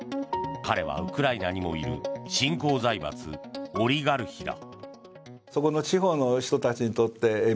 彼はウクライナにもいる新興財閥オリガルヒだ。